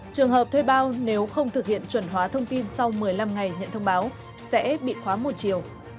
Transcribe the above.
trường hợp thuê bao nếu không thực hiện chuẩn hóa thông tin sau một mươi năm ngày nhận thông báo sẽ bị khóa một chiều